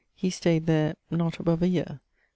He stayed there ... (not above a yeare).